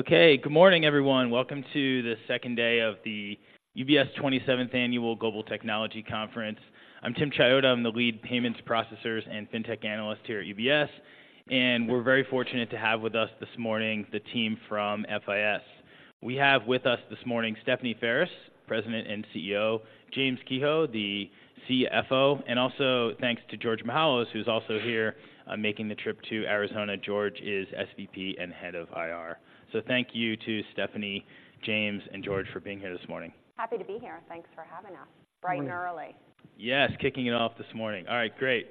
Okay. Good morning, everyone. Welcome to the 2nd of the UBS 27th Annual Global Technology Conference. I'm Tim Chiodo. I'm the Lead Payments Processors and Fintech Analyst here at UBS, and we're very fortunate to have with us this morning the team from FIS. We have with us this morning, Stephanie Ferris, President and CEO, James Kehoe, the CFO, and also thanks to George Mihalos, who's also here, making the trip to Arizona. George is SVP and Head of IR. So thank you to Stephanie, James, and George for being here this morning. Happy to be here. Thanks for having us. Bright and early. Yes, kicking it off this morning. All right, great.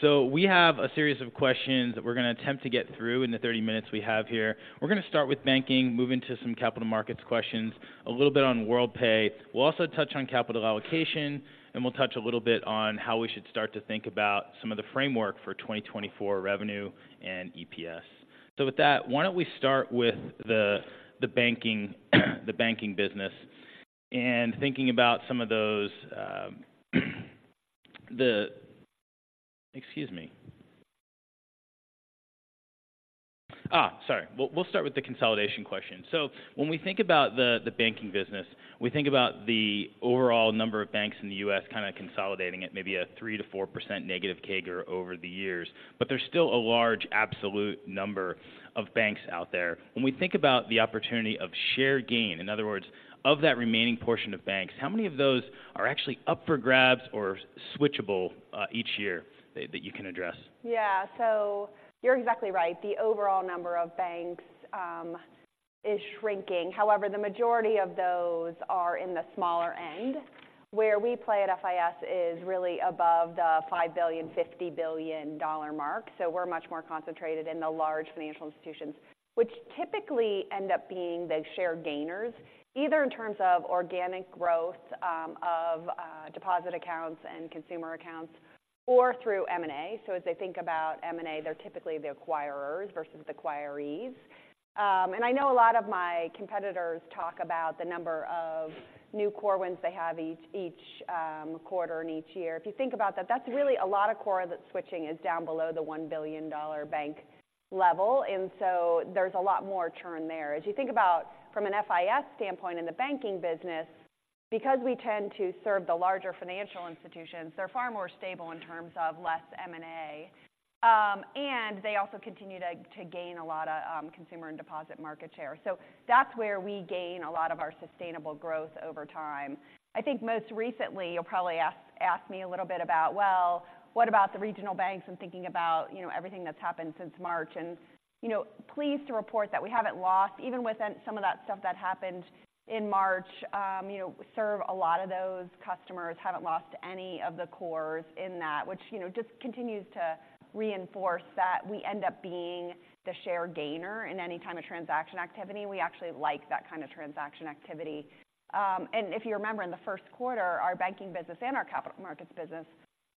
So we have a series of questions that we're going to attempt to get through in the 30 minutes we have here. We're going to start with banking, move into some capital markets questions, a little bit on Worldpay. We'll also touch on capital allocation, and we'll touch a little bit on how we should start to think about some of the framework for 2024 revenue and EPS. So with that, why don't we start with the banking business and thinking about some of those. Excuse me. Ah, sorry. We'll start with the consolidation question. So when we think about the banking business, we think about the overall number of banks in the U.S. kind of consolidating at maybe a 3%-4% negative CAGR over the years. But there's still a large absolute number of banks out there. When we think about the opportunity of share gain, in other words, of that remaining portion of banks, how many of those are actually up for grabs or switchable each year that you can address? Yeah. So you're exactly right. The overall number of banks is shrinking. However, the majority of those are in the smaller end. Where we play at FIS is really above the $5 billion-$50 billion dollar mark. So we're much more concentrated in the large financial institutions, which typically end up being the share gainers, either in terms of organic growth of deposit accounts and consumer accounts, or through M&A. So as they think about M&A, they're typically the acquirers versus the acquirees. And I know a lot of my competitors talk about the number of new core wins they have each quarter and each year. If you think about that, that's really a lot of core that switching is down below the $1 billion bank level, and so there's a lot more churn there. As you think about from an FIS standpoint in the banking business, because we tend to serve the larger financial institutions, they're far more stable in terms of less M&A. And they also continue to gain a lot of consumer and deposit market share. So that's where we gain a lot of our sustainable growth over time. I think most recently, you'll probably ask me a little bit about, well, what about the regional banks? I'm thinking about, you know, everything that's happened since March and, you know, pleased to report that we haven't lost. Even with some of that stuff that happened in March, you know, we serve a lot of those customers, haven't lost any of the cores in that, which, you know, just continues to reinforce that we end up being the share gainer in any time of transaction activity, and we actually like that kind of transaction activity. And if you remember in the first quarter, our Banking business and our Capital Markets business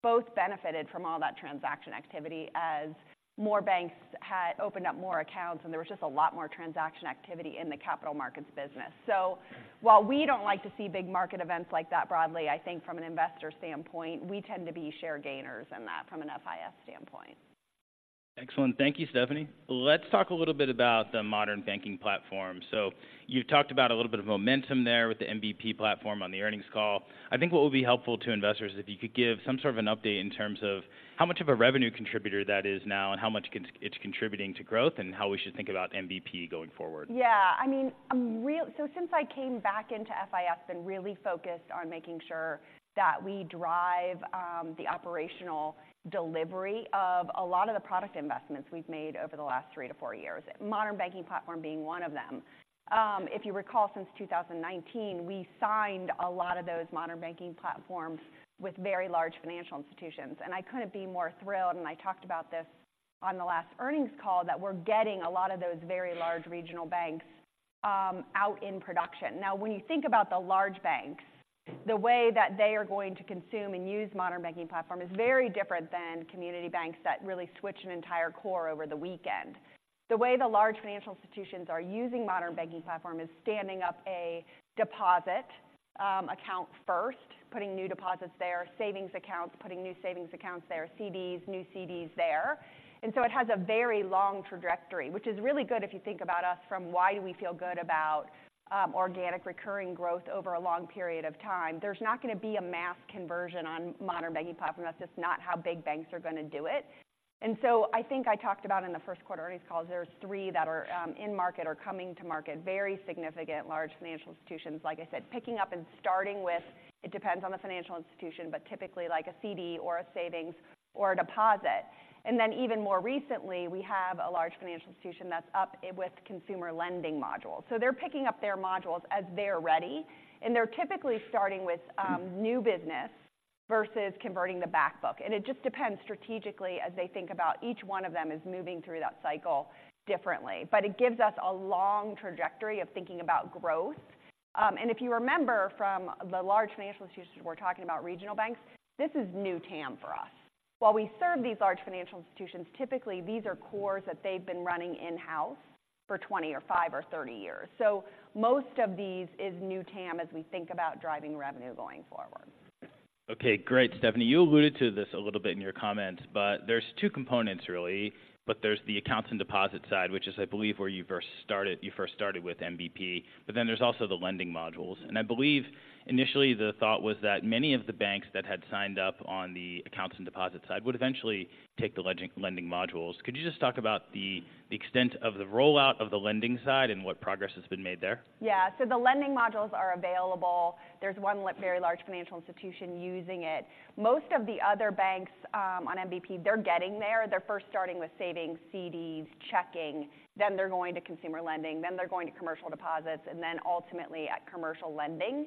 both benefited from all that transaction activity as more banks had opened up more accounts, and there was just a lot more transaction activity in the Capital Markets business. So while we don't like to see big market events like that, broadly, I think from an investor standpoint, we tend to be share gainers in that from an FIS standpoint. Excellent. Thank you, Stephanie. Let's talk a little bit about the Modern Banking Platform. You've talked about a little bit of momentum there with the MBP platform on the earnings call. I think what would be helpful to investors is if you could give some sort of an update in terms of how much of a revenue contributor that is now, and how much it's contributing to growth, and how we should think about MBP going forward. Yeah, I mean, I'm really so since I came back into FIS and really focused on making sure that we drive the operational delivery of a lot of the product investments we've made over the last three to four years, Modern Banking Platform being one of them. If you recall, since 2019, we signed a lot of those Modern Banking Platforms with very large financial institutions, and I couldn't be more thrilled, and I talked about this on the last earnings call, that we're getting a lot of those very large regional banks out in production. Now, when you think about the large banks, the way that they are going to consume and use Modern Banking Platform is very different than community banks that really switch an entire core over the weekend. The way the large financial institutions are using Modern Banking Platform is standing up a deposit account first, putting new deposits there, savings accounts, putting new savings accounts there, CDs, new CDs there. And so it has a very long trajectory, which is really good if you think about us from why do we feel good about organic recurring growth over a long period of time? There's not going to be a mass conversion on Modern Banking Platform. That's just not how big banks are going to do it. And so I think I talked about in the first quarter earnings call, there's three that are in market or coming to market, very significant large financial institutions. Like I said, picking up and starting with, it depends on the financial institution, but typically like a CD, or a savings, or a deposit. Even more recently, we have a large financial institution that's up with consumer lending modules. So they're picking up their modules as they're ready, and they're typically starting with new business versus converting the back book. And it just depends strategically as they think about each one of them is moving through that cycle differently. But it gives us a long trajectory of thinking about growth. And if you remember from the large financial institutions, we're talking about regional banks; this is new TAM for us. While we serve these large financial institutions, typically, these are cores that they've been running in-house for 20 or 5 or 30 years. So most of these is new TAM as we think about driving revenue going forward. Okay, great. Stephanie, you alluded to this a little bit in your comments, but there's two components really. But there's the accounts and deposit side, which is, I believe, where you first started, you first started with MBP. But then there's also the lending modules. And I believe initially the thought was that many of the banks that had signed up on the accounts and deposit side would eventually take the lending modules. Could you just talk about the extent of the rollout of the lending side and what progress has been made there? Yeah, so the lending modules are available. There's one very large financial institution using it. Most of the other banks on MBP, they're getting there. They're first starting with savings, CDs, checking, then they're going to consumer lending, then they're going to commercial deposits, and then ultimately at commercial lending.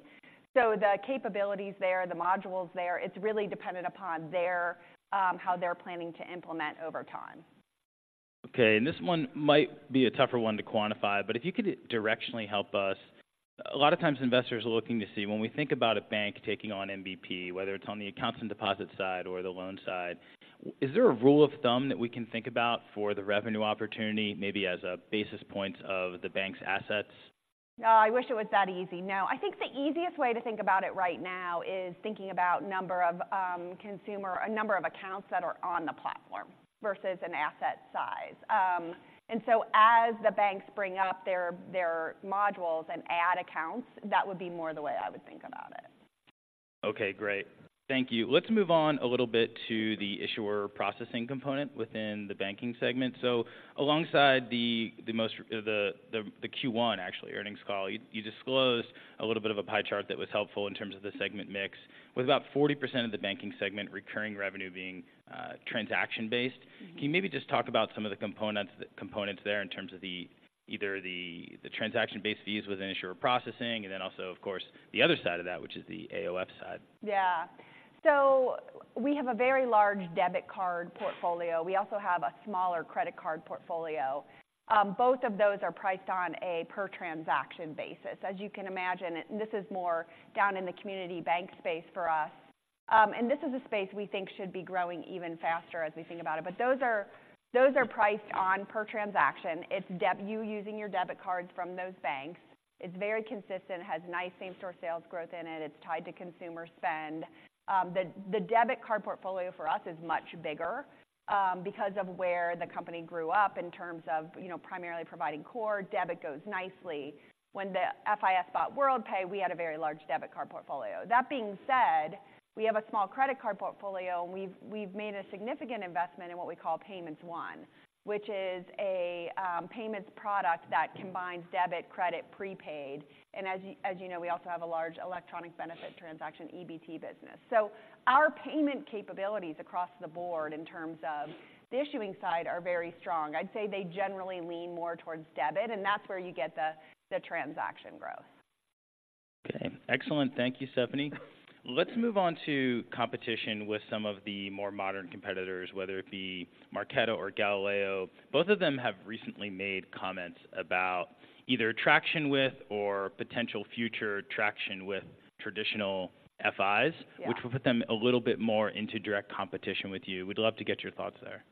So the capabilities there, the modules there, it's really dependent upon their, how they're planning to implement over time. Okay, and this one might be a tougher one to quantify, but if you could directionally help us. A lot of times investors are looking to see when we think about a bank taking on MBP, whether it's on the accounts and deposit side or the loan side, is there a rule of thumb that we can think about for the revenue opportunity, maybe as basis points of the bank's assets? No, I wish it was that easy. No, I think the easiest way to think about it right now is thinking about a number of accounts that are on the platform versus an asset size. And so as the banks bring up their modules and add accounts, that would be more the way I would think about it. Okay, great. Thank you. Let's move on a little bit to the issuer processing component within the banking segment. So alongside the Q1 actually earnings call, you disclosed a little bit of a pie chart that was helpful in terms of the segment mix, with about 40% of the banking segment recurring revenue being transaction-based. Can you maybe just talk about some of the components there in terms of either the transaction-based fees within issuer processing, and then also, of course, the other side of that, which is the AOF side? Yeah. So we have a very large debit card portfolio. We also have a smaller credit card portfolio. Both of those are priced on a per transaction basis. As you can imagine, and this is more down in the community bank space for us, and this is a space we think should be growing even faster as we think about it. But those are, those are priced on per transaction. It's you using your debit cards from those banks. It's very consistent, it has nice same-store sales growth in it, it's tied to consumer spend. The debit card portfolio for us is much bigger, because of where the company grew up in terms of, you know, primarily providing core. Debit goes nicely. When the FIS bought Worldpay, we had a very large debit card portfolio. That being said, we have a small credit card portfolio, and we've, we've made a significant investment in what we call Payments One, which is a payments product that combines debit, credit, prepaid. And as you, as you know, we also have a large electronic benefit transfer, EBT business. So our payment capabilities across the board in terms of the issuing side are very strong. I'd say they generally lean more towards debit, and that's where you get the, the transaction growth. Okay. Excellent. Thank you, Stephanie. Let's move on to competition with some of the more modern competitors, whether it be Marqeta or Galileo. Both of them have recently made comments about either traction with or potential future traction with traditional FIs- Yeah. which will put them a little bit more into direct competition with you. We'd love to get your thoughts there.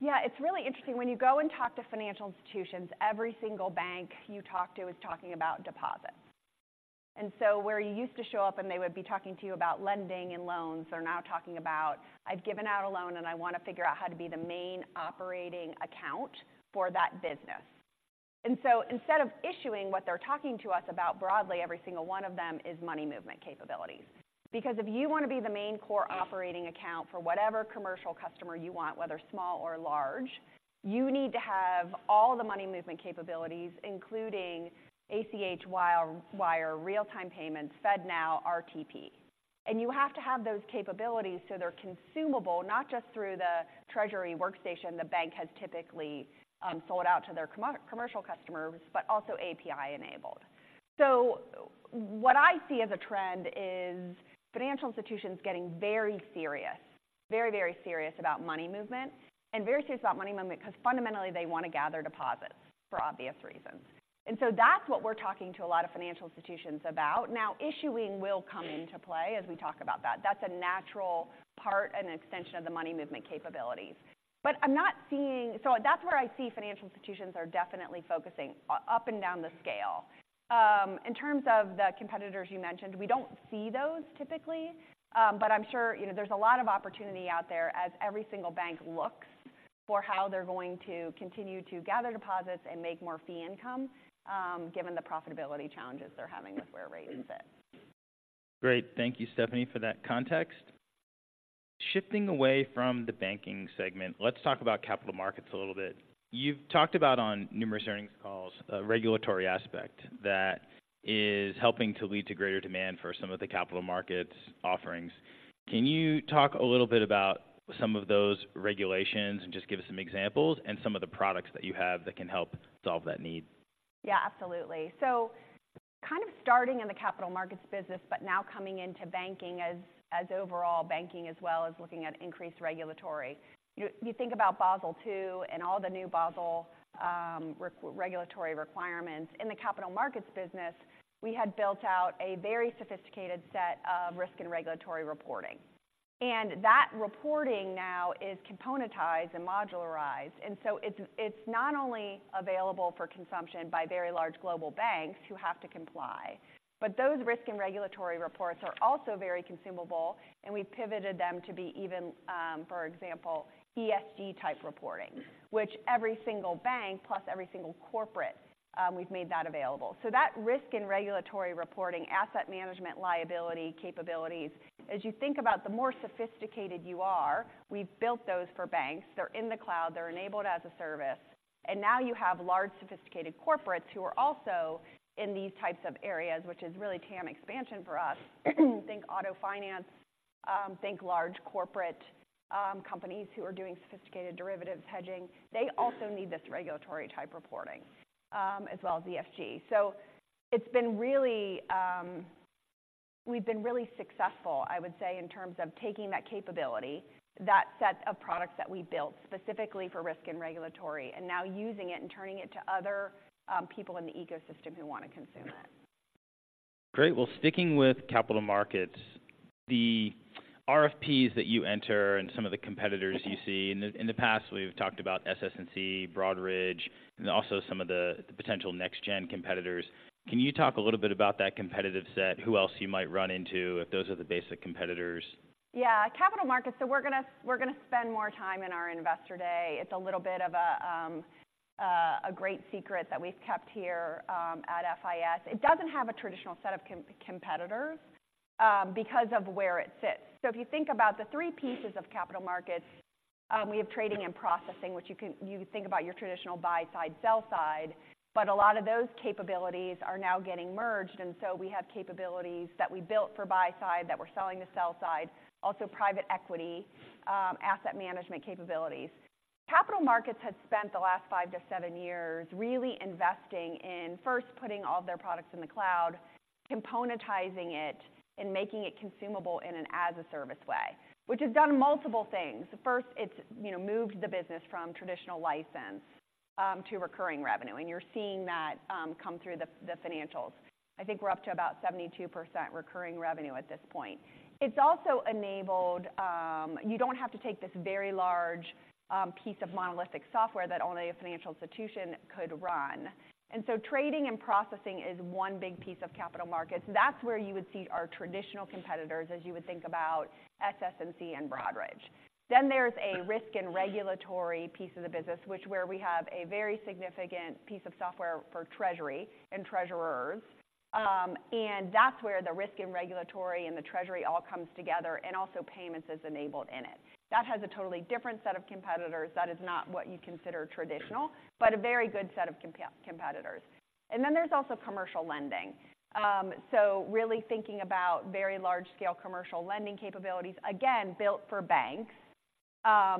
Yeah, it's really interesting. When you go and talk to financial institutions, every single bank you talk to is talking about deposits. And so where you used to show up and they would be talking to you about lending and loans, they're now talking about, "I've given out a loan, and I want to figure out how to be the main operating account for that business." And so instead of issuing, what they're talking to us about broadly, every single one of them, is money movement capabilities. Because if you want to be the main core operating account for whatever commercial customer you want, whether small or large, you need to have all the money movement capabilities, including ACH, wire, real-time payments, FedNow, RTP. You have to have those capabilities so they're consumable, not just through the treasury workstation the bank has typically sold to their commercial customers, but also API enabled. So what I see as a trend is financial institutions getting very serious, very, very serious about money movement, and very serious about money movement, because fundamentally, they want to gather deposits for obvious reasons. And so that's what we're talking to a lot of financial institutions about. Now, issuing will come into play as we talk about that. That's a natural part and an extension of the money movement capabilities. But I'm not seeing. So that's where I see financial institutions are definitely focusing up and down the scale. In terms of the competitors you mentioned, we don't see those typically, but I'm sure, you know, there's a lot of opportunity out there as every single bank looks for how they're going to continue to gather deposits and make more fee income, given the profitability challenges they're having with where rates sit. Great. Thank you, Stephanie, for that context. Shifting away from the Banking segment, let's talk about Capital Markets a little bit. You've talked about on numerous earnings calls, a regulatory aspect that is helping to lead to greater demand for some of the capital markets offerings. Can you talk a little bit about some of those regulations and just give us some examples and some of the products that you have that can help solve that need? Yeah, absolutely. So kind of starting in the capital markets business, but now coming into Banking as overall banking, as well as looking at increased regulatory. You think about Basel II and all the new Basel regulatory requirements. In the Capital Markets business, we had built out a very sophisticated set of risk and regulatory reporting, and that reporting now is componentized and modularized. And so it's not only available for consumption by very large global banks who have to comply, but those risk and regulatory reports are also very consumable, and we've pivoted them to be even, for example, ESG type reporting, which every single bank plus every single corporate, we've made that available. So that risk and regulatory reporting, asset management, liability, capabilities, as you think about the more sophisticated you are, we've built those for banks. They're in the cloud, they're enabled as-a-service. And now you have large sophisticated corporates who are also in these types of areas, which is really TAM expansion for us. Think auto finance, think large corporate companies who are doing sophisticated derivatives hedging. They also need this regulatory-type reporting, as well as ESG. So it's been really... We've been really successful, I would say, in terms of taking that capability, that set of products that we built specifically for risk and regulatory, and now using it and turning it to other people in the ecosystem who want to consume it. Great. Well, sticking with capital markets, the RFPs that you enter and some of the competitors you see. In the past, we've talked about SS&C, Broadridge, and also some of the potential next gen competitors. Can you talk a little bit about that competitive set? Who else you might run into if those are the basic competitors? Yeah, Capital Markets, so we're going to spend more time in our Investor Day. It's a little bit of a great secret that we've kept here at FIS. It doesn't have a traditional set of competitors because of where it sits. So if you think about the three pieces of Capital Markets, we have trading and processing, which you think about your traditional buy-side, sell-side, but a lot of those capabilities are now getting merged. And so we have capabilities that we built for buy side that we're selling to sell side, also private equity, asset management capabilities. Capital Markets had spent the last five to seven years really investing in first, putting all their products in the cloud, componentizing it and making it consumable in an as-a-service way, which has done multiple things. First, it's, you know, moved the business from traditional license to recurring revenue, and you're seeing that come through the financials. I think we're up to about 72% recurring revenue at this point. It's also enabled, you don't have to take this very large piece of monolithic software that only a financial institution could run. And so trading and processing is one big piece of capital markets. That's where you would see our traditional competitors, as you would think about SS&C and Broadridge. Then there's a risk and regulatory piece of the business, which where we have a very significant piece of software for treasury and treasurers. And that's where the risk and regulatory and the treasury all comes together, and also payments is enabled in it. That has a totally different set of competitors. That is not what you consider traditional, but a very good set of competitors. Then there's also commercial lending. So really thinking about very large scale commercial lending capabilities, again, built for banks,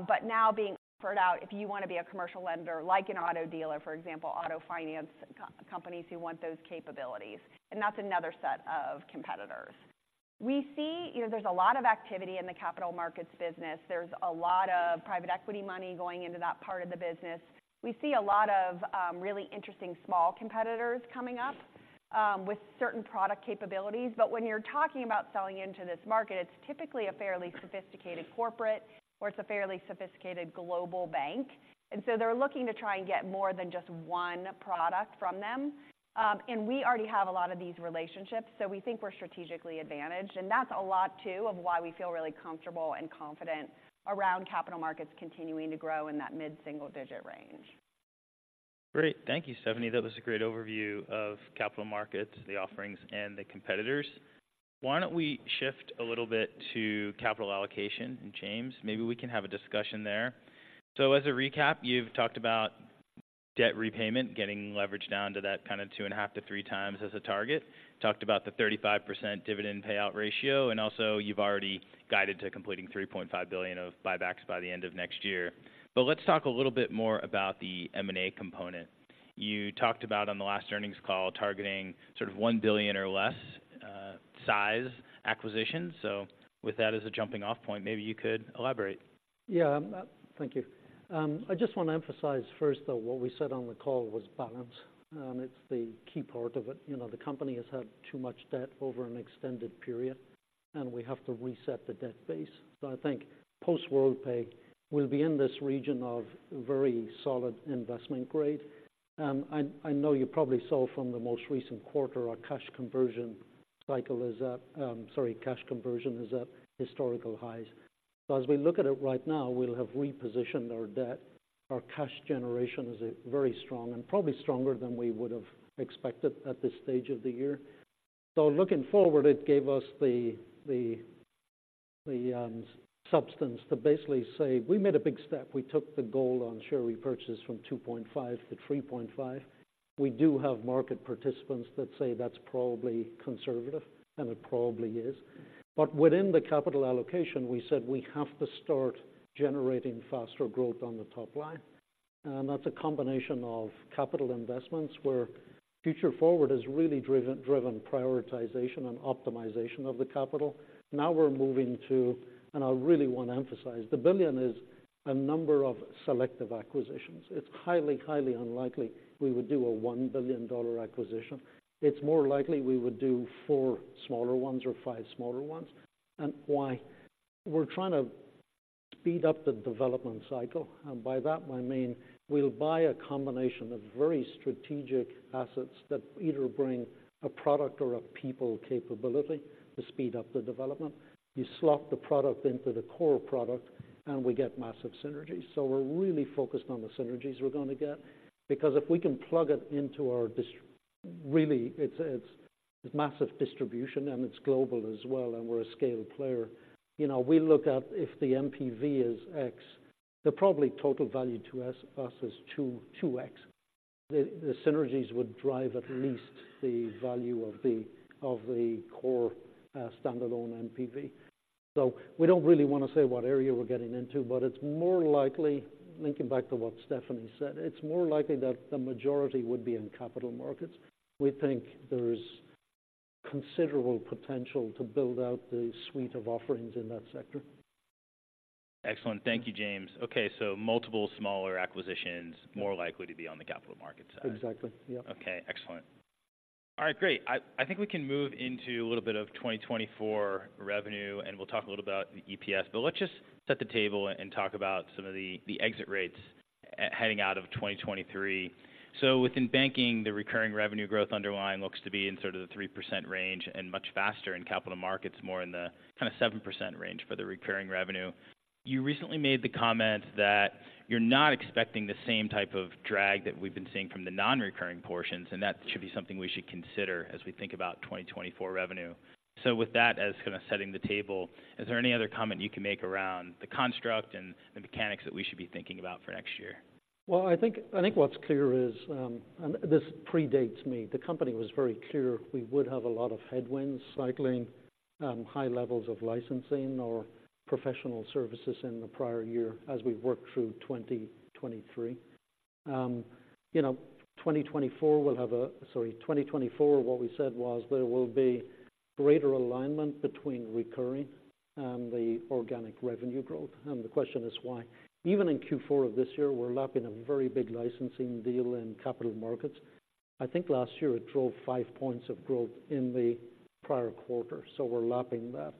but now being offered out if you want to be a commercial lender, like an auto dealer, for example, auto finance companies who want those capabilities, and that's another set of competitors. We see, you know, there's a lot of activity in the Capital Markets business. There's a lot of private equity money going into that part of the business. We see a lot of really interesting small competitors coming up with certain product capabilities. But when you're talking about selling into this market, it's typically a fairly sophisticated corporate or it's a fairly sophisticated global bank. And so they're looking to try and get more than just one product from them. And we already have a lot of these relationships, so we think we're strategically advantaged, and that's a lot, too, of why we feel really comfortable and confident around capital markets continuing to grow in that mid-single digit range. Great. Thank you, Stephanie. That was a great overview of Capital Markets, the offerings, and the competitors. Why don't we shift a little bit to capital allocation and James? Maybe we can have a discussion there. So as a recap, you've talked about debt repayment, getting leverage down to that kind of 2.5x-3x as a target. Talked about the 35% dividend payout ratio, and also you've already guided to completing $3.5 billion of buybacks by the end of next year. But let's talk a little bit more about the M&A component. You talked about on the last earnings call, targeting sort of $1 billion or less size acquisition. So with that as a jumping off point, maybe you could elaborate. Yeah. Thank you. I just want to emphasize first, though, what we said on the call was balance, and it's the key part of it. You know, the company has had too much debt over an extended period, and we have to reset the debt base. So I think post Worldpay will be in this region of very solid investment grade. I know you probably saw from the most recent quarter, our cash conversion cycle is at... sorry, cash conversion is at historical highs. So as we look at it right now, we'll have repositioned our debt. Our cash generation is very strong and probably stronger than we would have expected at this stage of the year. So looking forward, it gave us the substance to basically say we made a big step. We took the goal on share repurchase from $2.5 billion-$3.5 billion. We do have market participants that say that's probably conservative, and it probably is. But within the capital allocation, we said we have to start generating faster growth on the top line. And that's a combination of capital investments, where Future Forward has really driven prioritization and optimization of the capital. Now we're moving to, and I really want to emphasize, the $1 billion is a number of selective acquisitions. It's highly, highly unlikely we would do a $1 billion acquisition. It's more likely we would do four smaller ones or five smaller ones. And why? We're trying to speed up the development cycle, and by that I mean we'll buy a combination of very strategic assets that either bring a product or a people capability to speed up the development. You slot the product into the core product, and we get massive synergy. So we're really focused on the synergies we're going to get, because if we can plug it into our—really, it's massive distribution, and it's global as well, and we're a scale player. You know, we look at if the NPV is X, the probably total value to us is 2X. The synergies would drive at least the value of the core standalone NPV. So we don't really want to say what area we're getting into, but it's more likely, linking back to what Stephanie said, it's more likely that the majority would be in capital markets. We think there's considerable potential to build out the suite of offerings in that sector. Excellent. Thank you, James. Okay, so multiple smaller acquisitions, more likely to be on the capital market side. Exactly, yep. Okay, excellent. All right, great. I think we can move into a little bit of 2024 revenue, and we'll talk a little about the EPS. But let's just set the table and talk about some of the exit rates heading out of 2023. So within banking, the recurring revenue growth underlying looks to be in sort of the 3% range and much faster in capital markets, more in the kind of 7% range for the recurring revenue. You recently made the comment that you're not expecting the same type of drag that we've been seeing from the non-recurring portions, and that should be something we should consider as we think about 2024 revenue. With that, as kind of setting the table, is there any other comment you can make around the construct and the mechanics that we should be thinking about for next year? Well, I think what's clear is, and this predates me, the company was very clear we would have a lot of headwinds, cycling, high levels of licensing or professional services in the prior year as we worked through 2023. You know, 2024 will have a. Sorry, 2024, what we said was there will be greater alignment between recurring and the organic revenue growth. And the question is why? Even in Q4 of this year, we're lapping a very big licensing deal in Capital Markets. I think last year it drove 5 points of growth in the prior quarter, so we're lapping that.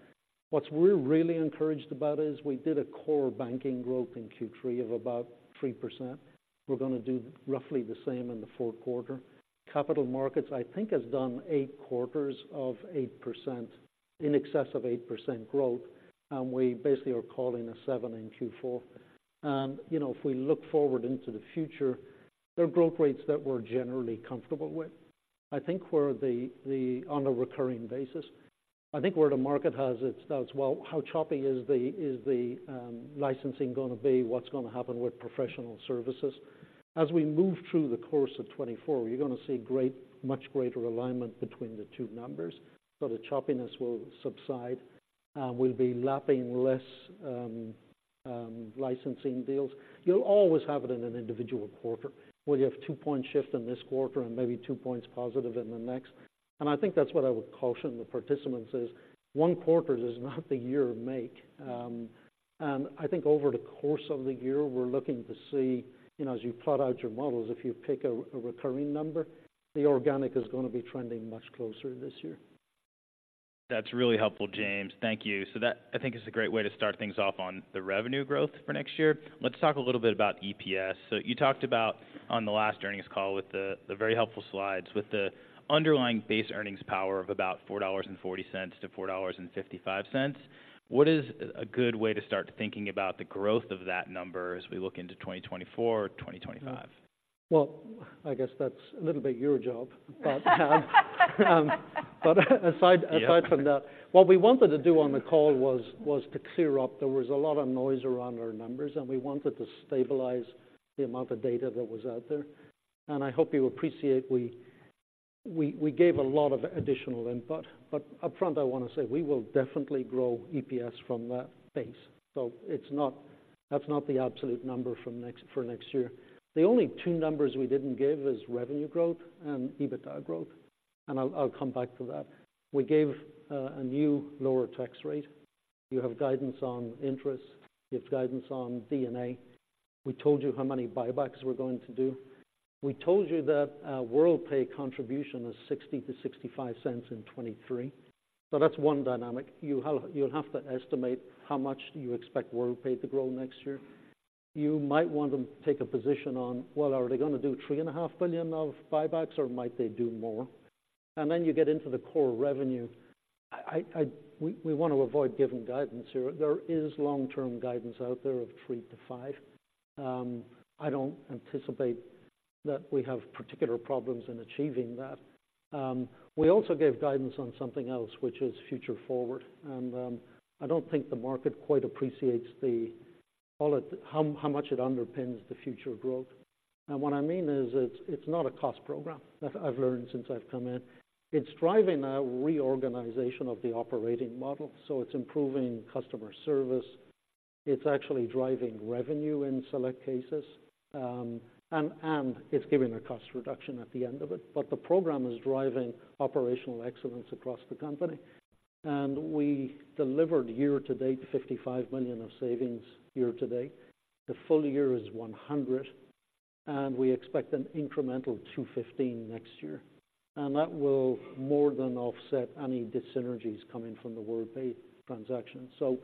What we're really encouraged about is we did a core banking growth in Q3 of about 3%. We're going to do roughly the same in the fourth quarter. Capital Markets, I think, has done 8 quarters of 8%, in excess of 8% growth, and we basically are calling a 7 in Q4. You know, if we look forward into the future, there are growth rates that we're generally comfortable with. I think we're the- on a recurring basis, I think where the market has its doubts, well, how choppy is the, is the, licensing going to be? What's going to happen with professional services? As we move through the course of 2024, you're going to see great, much greater alignment between the two numbers, so the choppiness will subside. And we'll be lapping less, licensing deals. You'll always have it in an individual quarter, where you have 2-point shift in this quarter and maybe 2 points positive in the next. I think that's what I would caution the participants is, one quarter does not the year make. I think over the course of the year, we're looking to see, you know, as you plot out your models, if you pick a recurring number, the organic is going to be trending much closer this year. That's really helpful, James. Thank you. So that, I think, is a great way to start things off on the revenue growth for next year. Let's talk a little bit about EPS. So you talked about on the last earnings call with the very helpful slides, with the underlying base earnings power of about $4.40-$4.55. What is a good way to start thinking about the growth of that number as we look into 2024 or 2025? Well, I guess that's a little bit your job. But aside from that, what we wanted to do on the call was to clear up. There was a lot of noise around our numbers, and we wanted to stabilize the amount of data that was out there. And I hope you appreciate we gave a lot of additional input, but upfront, I want to say we will definitely grow EPS from that base. So it's not--that's not the absolute number from next, for next year. The only two numbers we didn't give is revenue growth and EBITDA growth, and I'll come back to that. We gave a new lower tax rate. You have guidance on interest. You have guidance on D&A. We told you how many buybacks we're going to do. We told you that Worldpay contribution is $0.60-$0.65 in 2023. So that's one dynamic. You'll have, you'll have to estimate how much you expect Worldpay to grow next year. You might want to take a position on, well, are they going to do $3.5 billion of buybacks, or might they do more? And then you get into the core revenue. We want to avoid giving guidance here. There is long-term guidance out there of 3%-5%. I don't anticipate that we have particular problems in achieving that. We also gave guidance on something else, which is Future Forward, and I don't think the market quite appreciates how much it underpins the future growth. And what I mean is, it's not a cost program that I've learned since I've come in. It's driving a reorganization of the operating model, so it's improving customer service. It's actually driving revenue in select cases, and it's giving a cost reduction at the end of it. But the program is driving operational excellence across the company. And we delivered year-to-date $55 million of savings year-to-date. The full year is $100 million, and we expect an incremental $215 million next year, and that will more than offset any dissynergies coming from the Worldpay transaction. So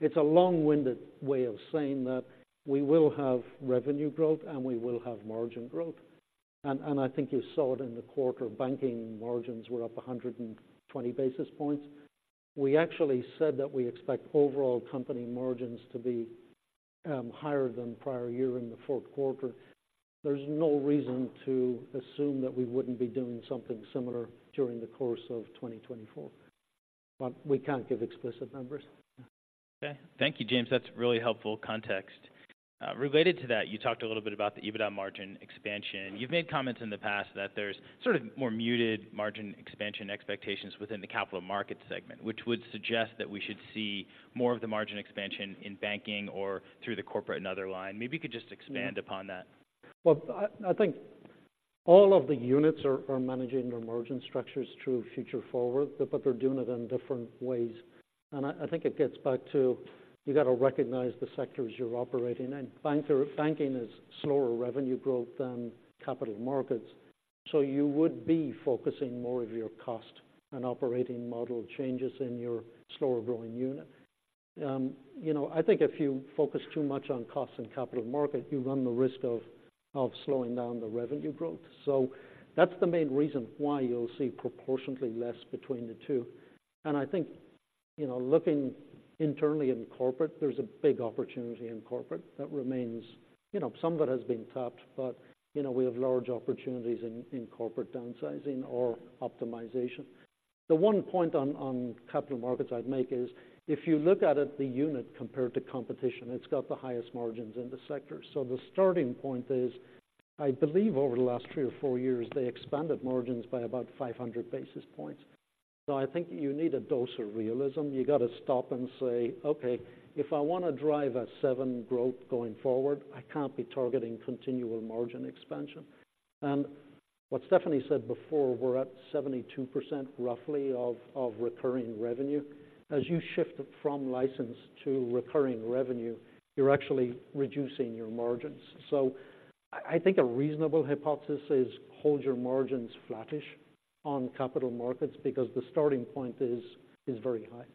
it's a long-winded way of saying that we will have revenue growth, and we will have margin growth. And I think you saw it in the quarter. Banking margins were up 120 basis points. We actually said that we expect overall company margins to be higher than prior year in the fourth quarter. There's no reason to assume that we wouldn't be doing something similar during the course of 2024, but we can't give explicit numbers. Okay, thank you, James. That's really helpful context. Related to that, you talked a little bit about the EBITDA margin expansion. You've made comments in the past that there's sort of more muted margin expansion expectations within the capital markets segment, which would suggest that we should see more of the margin expansion in banking or through the corporate and other line. Maybe you could just expand- Hmm upon that. Well, I think all of the units are managing their margin structures through Future Forward, but they're doing it in different ways. And I think it gets back to you got to recognize the sectors you're operating in. Banking is slower revenue growth than capital markets, so you would be focusing more of your cost and operating model changes in your slower growing unit. You know, I think if you focus too much on cost and Capital Market, you run the risk of slowing down the revenue growth. So that's the main reason why you'll see proportionately less between the two. And I think, you know, looking internally in corporate, there's a big opportunity in corporate that remains. You know, some of it has been tapped, but you know, we have large opportunities in corporate downsizing or optimization. The one point on Capital Markets I'd make is, if you look at it, the unit, compared to competition, it's got the highest margins in the sector. So the starting point is, I believe over the last 3 or 4 years, they expanded margins by about 500 basis points. So I think you need a dose of realism. You got to stop and say, Okay, if I want to drive 7% growth going forward, I can't be targeting continual margin expansion. And what Stephanie said before, we're at 72%, roughly, of recurring revenue. As you shift from license to recurring revenue, you're actually reducing your margins. So I think a reasonable hypothesis is hold your margins flattish on capital markets, because the starting point is very high.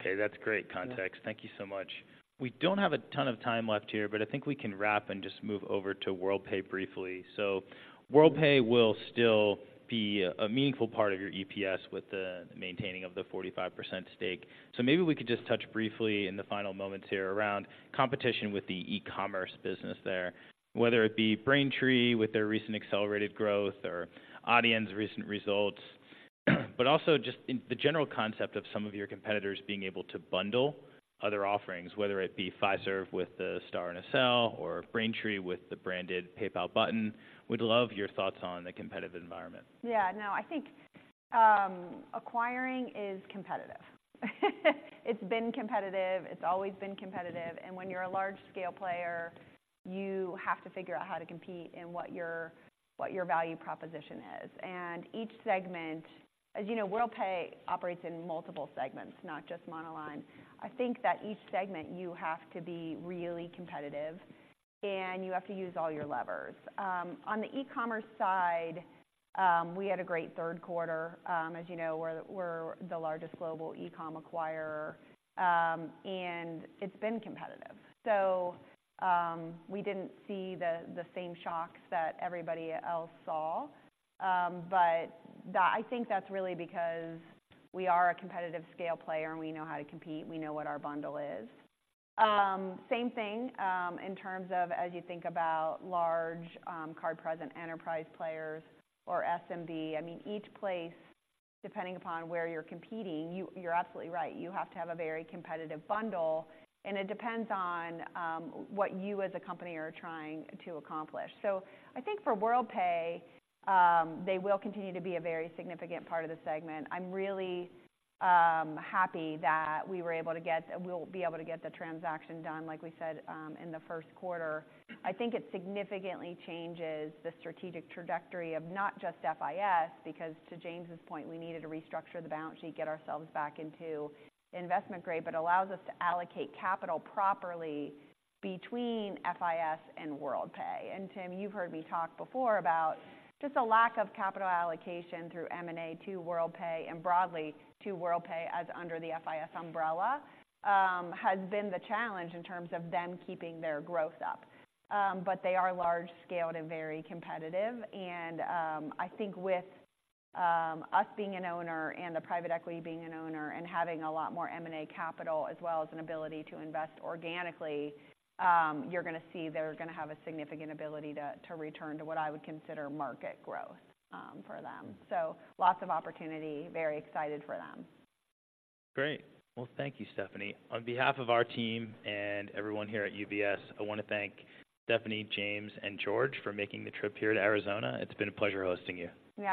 Okay, that's great context. Yeah. Thank you so much. We don't have a ton of time left here, but I think we can wrap and just move over to Worldpay briefly. Worldpay will still be a meaningful part of your EPS with the maintaining of the 45% stake. Maybe we could just touch briefly in the final moments here around competition with the e-commerce business there, whether it be Braintree with their recent accelerated growth or Adyen's recent results, but also just in the general concept of some of your competitors being able to bundle other offerings, whether it be Fiserv with the Star and Accel or Braintree with the branded PayPal button. We'd love your thoughts on the competitive environment. Yeah, no, I think, acquiring is competitive. It's been competitive, it's always been competitive, and when you're a large-scale player, you have to figure out how to compete and what your, what your value proposition is. And each segment, as you know, Worldpay operates in multiple segments, not just monoline. I think that each segment, you have to be really competitive, and you have to use all your levers. On the e-commerce side, we had a great third quarter. As you know, we're, we're the largest global e-com acquirer, and it's been competitive. So, we didn't see the, the same shocks that everybody else saw, but I think that's really because we are a competitive scale player and we know how to compete, we know what our bundle is. Same thing, in terms of as you think about large, card-present enterprise players or SMB. I mean, each place, depending upon where you're competing, you're absolutely right, you have to have a very competitive bundle, and it depends on, what you, as a company, are trying to accomplish. So I think for Worldpay, they will continue to be a very significant part of the segment. I'm really happy that we were able to get... We'll be able to get the transaction done, like we said, in the first quarter. I think it significantly changes the strategic trajectory of not just FIS, because to James's point, we needed to restructure the balance sheet, get ourselves back into investment grade, but allows us to allocate capital properly between FIS and Worldpay. Tim, you've heard me talk before about just a lack of capital allocation through M&A to Worldpay and broadly to Worldpay, as under the FIS umbrella, has been the challenge in terms of them keeping their growth up. But they are large-scaled and very competitive, and I think with us being an owner and the private equity being an owner and having a lot more M&A capital, as well as an ability to invest organically, you're gonna see they're gonna have a significant ability to, to return to what I would consider market growth, for them. Lots of opportunity, very excited for them. Great. Well, thank you, Stephanie. On behalf of our team and everyone here at UBS, I want to thank Stephanie, James, and George for making the trip here to Arizona. It's been a pleasure hosting you. Yeah.